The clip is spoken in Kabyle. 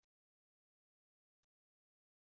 D ameǧǧaru ɣad xseɣ ad xezreɣ.